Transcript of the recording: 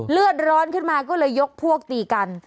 เลือดร้อนขึ้นมาก็เลยยกพวกตีกัน